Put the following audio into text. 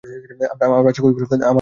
আমার বাচ্চা কই গেল-আমার বাচ্চা কই।